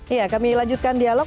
iya kami lanjutkan dialog